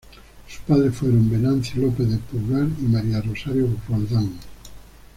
Su padres fueron Venancio López del Pulgar y María del Rosario Roldán.